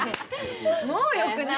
もうよくない？